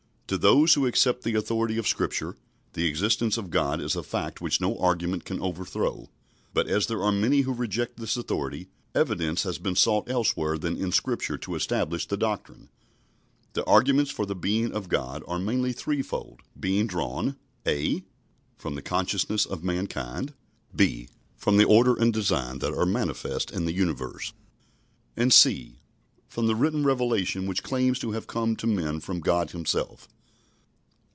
To those who accept the authority of Scripture the existence of God is a fact which no argument can overthrow; but as there are many who reject this authority, evidence has been sought elsewhere than in Scripture to establish the doctrine. The arguments for the Being of God are mainly threefold, being drawn: (a) from the consciousness of mankind; (b) from the order and design that are manifest in the universe; and (c) from the written revelation which claims to have come to men from God Himself.